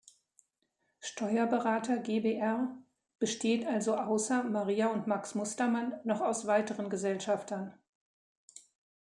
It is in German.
Steuerberater GbR" besteht also außer Maria und Max Mustermann noch aus weiteren Gesellschaftern.